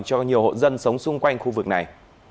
cho nhiều hộ dân sống xung quanh khu vực này